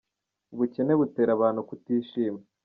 Ubukene butera abantu kutishima.